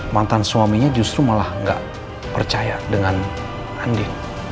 mantan suaminya justru malah gak percaya dengan andi